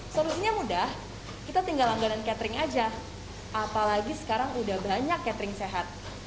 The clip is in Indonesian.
solusinya mudah kita tinggal langganan catering aja apalagi sekarang udah banyak catering sehat